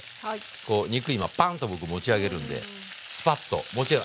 こう肉今パンッと僕持ち上げるんでスパッと油ないでしょ？